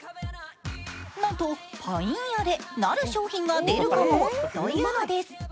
なんとパインアレなる商品が出るかもというのです。